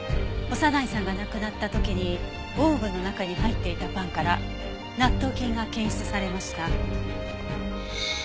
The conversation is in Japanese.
長内さんが亡くなった時にオーブンの中に入っていたパンから納豆菌が検出されました。